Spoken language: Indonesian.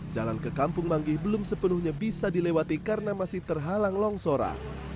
jalan ke kampung manggih belum sepenuhnya bisa dilewati karena masih terhalang longsoran